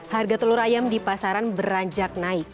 harga telur ayam di pasaran beranjak naik